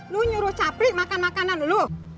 lu nyuruh capri makan makanan lo